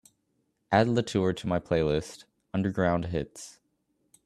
Add LaTour to my playlist underground hits.